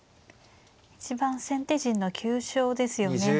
一番先手陣の急所ですよね